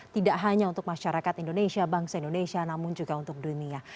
tidak hanya untuk masyarakat indonesia bangsa indonesia namun juga untuk dunia